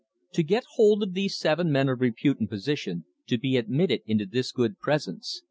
To get hold of these seven men of repute and position, to be admitted into this good presence!